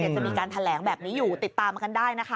จะมีการแถลงแบบนี้อยู่ติดตามกันได้นะคะ